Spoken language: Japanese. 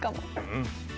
うん。